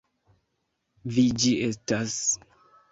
Vi ĝi estas!